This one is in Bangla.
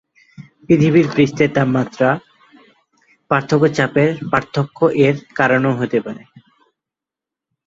পৃথিবীর পৃষ্ঠের তাপমাত্রা পার্থক্য চাপের পার্থক্য এর কারণেও হয়ে থাকে।